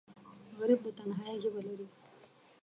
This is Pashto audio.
غریب د تنهایۍ ژبه لري